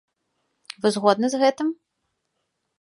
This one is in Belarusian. Вы згодны з гэтым?